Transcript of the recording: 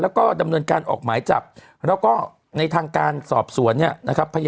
แล้วก็ดำเนินการออกหมายจับแล้วก็ในทางการสอบสวนเนี่ยนะครับ